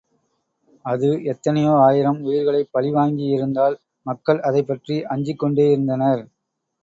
அது எத்தனையோ ஆயிரம் உயிர்களைப் பலி வாங்கி யிருந்த்தால் மக்கள் அதைப்பற்றி அஞ்சிக்கொண்டேயிருந்தனர்.